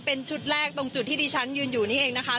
เป็นชุดแรกตรงจุดที่ดิฉันยืนอยู่นี่เองนะคะ